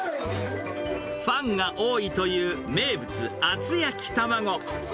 ファンが多いという名物、厚焼き卵。